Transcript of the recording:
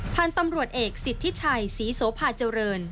พันธุ์ตำรวจเอกสิทธิชัยศรีโสภาเจริญ